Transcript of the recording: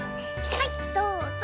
はいどうぞ！